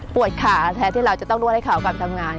ขาแทนที่เราจะต้องนวดให้เขากลับทำงาน